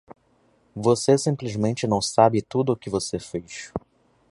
Você simplesmente não sabe tudo o que você fez.